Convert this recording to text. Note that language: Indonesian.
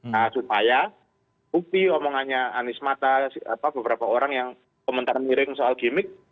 nah supaya bukti omongannya anies mata beberapa orang yang komentar miring soal gimmick